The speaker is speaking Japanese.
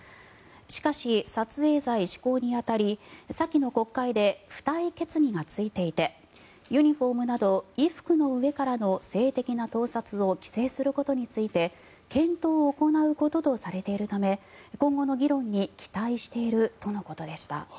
しかし、撮影罪施行に当たり先の国会で付帯決議がついていてユニホームなど衣服の上からの性的な盗撮を規制することについて検討を行うこととされているため今後の議論に期待しているとのことでした。